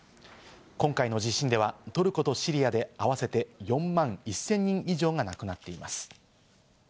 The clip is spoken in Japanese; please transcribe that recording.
今回の地震ではトルコとシリアで合わせて４万１０００人以上が亡くなっています。